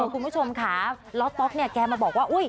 คุณผู้ชมค่าล้อต๊อกแกมาบอกว่า